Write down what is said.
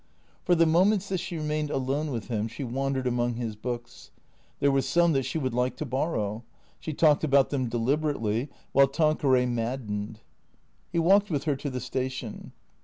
For the moments that she remained alone with him she wan dered among his books. There were some that she would like to borrow. She talked about them deliberately while Tanque ray maddened. He walked with her to the station.